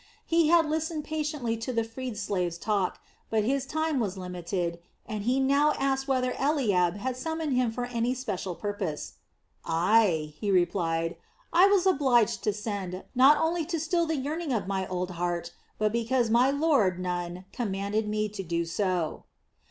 He had listened patiently to the freed slaves' talk, but his time was limited and he now asked whether Eliab had summoned him for any special purpose. "Ay," he replied; "I was obliged to send, not only to still the yearning of my old heart, but because my lord Nun commanded me to do so."